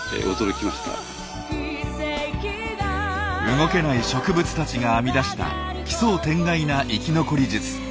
動けない植物たちが編み出した奇想天外な生き残り術。